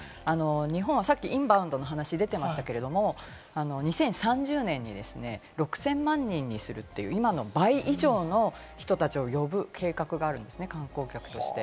日本はインバウンドの話が出ていましたけれども、２０３０年に６０００万人にする、今の倍以上の人たちを呼ぶ計画があるんですね、観光客として。